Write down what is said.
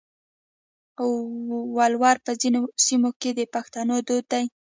ولور په ځینو سیمو کې د پښتنو دود دی.